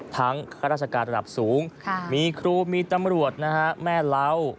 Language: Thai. ข้าราชการระดับสูงมีครูมีตำรวจนะฮะแม่เล้า